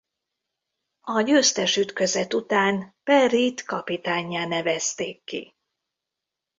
A győztes ütközet után Perryt kapitánnyá nevezték ki.